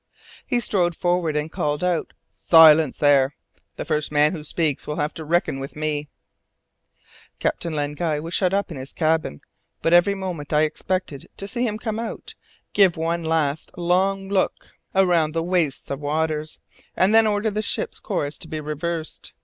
He strode forward and called out: "Silence, there! The first man who speaks will have to reckon with me!" Captain Len Guy was shut up in his cabin, but every moment I expected to see him come out, give one last look around the waste of waters, and then order the ship's course to be reversed.